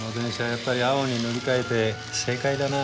やっぱり青に塗り替えて正解だな。